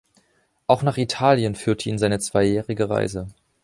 Auch nach Italien führte ihn seine zweijährige Reise.